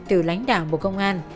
từ lãnh đạo bộ công an